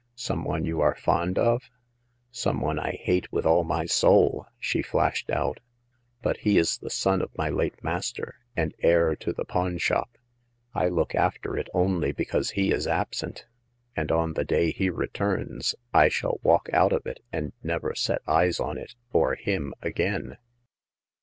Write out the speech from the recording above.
" Some one you are fond of ?" Some one I hate with all my soul !" she flashed out ;but he is the son of my late mas ter, and heir to the pawn shop. I look after it only because he is absent ; and on the day he returns I shall walk out of it, and never set eyes on it, or him again."